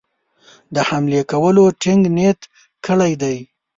د حملې کولو ټینګ نیت کړی دی.